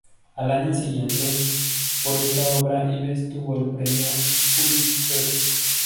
Al año siguiente, por esta obra Ives obtuvo el Premio Pulitzer.